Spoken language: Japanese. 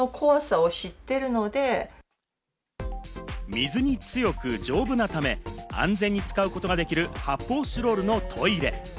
水に強く丈夫なため、安全に使うことができる発泡スチロールのトイレ。